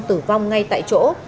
tử vong ngay tại chỗ